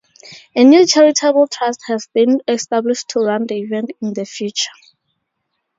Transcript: A new charitable trust has been established to run the event in the future.